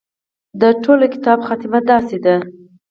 د ټول کتاب خاتمه داسې ده.